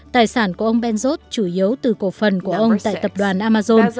tài sản của ông benzot chủ yếu từ cổ phần của ông tại tập đoàn amazon